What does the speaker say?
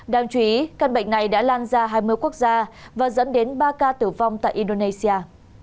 đáng chú ý căn bệnh này đã lan ra hai mươi quốc gia và dẫn đến ba ca tử vong tại indonesia